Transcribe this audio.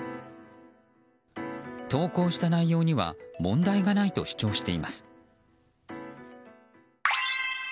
投稿した内容には問題がないと主張しています。